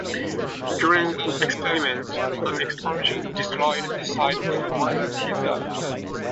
During an experiment, an explosion destroyed the sight in one of his eyes.